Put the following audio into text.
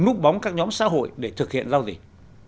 núp bóng các nhóm xã hội để thực hiện giao dịch